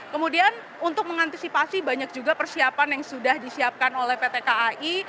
kemudian untuk mengantisipasi banyak juga persiapan yang sudah disiapkan oleh pt kai